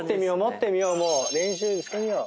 練習してみよう。